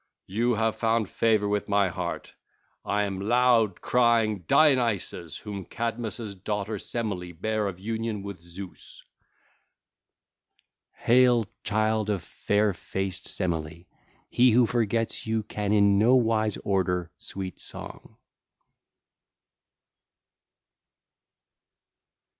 you have found favour with my heart. I am loud crying Dionysus whom Cadmus' daughter Semele bare of union with Zeus.' (ll. 58 59) Hail, child of fair faced Semele! He who forgets you can in no wise order sweet song.